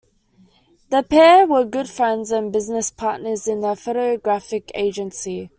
The pair were good friends and business partners in a photographic agency.